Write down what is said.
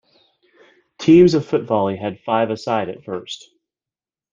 Teams of footvolley had five a side at first.